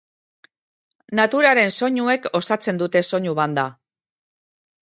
Naturaren soinuek osatzen dute soinu banda.